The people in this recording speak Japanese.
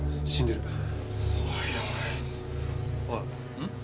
うん？